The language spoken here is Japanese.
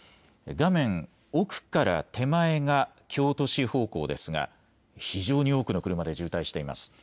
画面奥から手前が京都市方向ですが非常に多くの車で渋滞しています。